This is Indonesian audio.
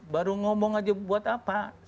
baru ngomong aja buat apa